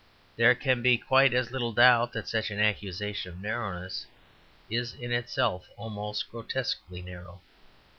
There can be quite as little doubt that such an accusation of narrowness is itself almost grotesquely narrow.